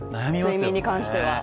睡眠に関しては。